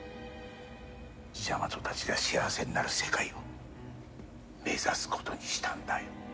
ジャマトたちが幸せになる世界を目指すことにしたんだよ。